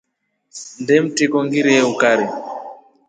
Nnde mtriko ngirie ukari.